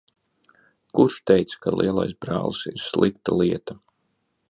Kurš teica, ka lielais brālis ir slikta lieta?